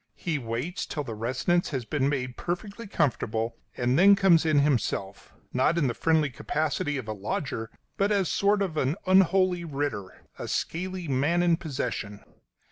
He waits till the residence has been made perfectly comfortable, and then comes in himself; not in the friendly capacity of a lodger, but as a sort of unholy writter a scaly man in possession.